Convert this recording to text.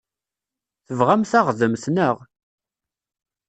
Tebɣam taɣdemt, naɣ?